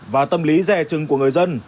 và tâm lý rẻ trừng của người dân